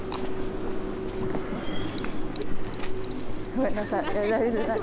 ごめんなさい。